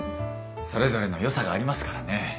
それぞれのよさがありますからね。